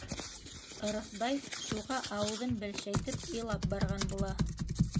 Ырыҫбай шуға ауыҙын бәлшәйтеп илап барған була.